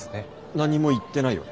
何も言ってないよね？